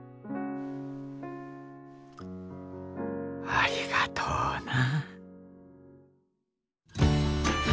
ありがとうな。